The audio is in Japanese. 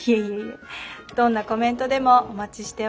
どんなコメントでもお待ちしております。